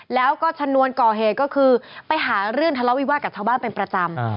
แล้วก็ชนวนก่อเหตุก็คือไปหาเรื่องทะเลาวิวาสกับชาวบ้านเป็นประจำ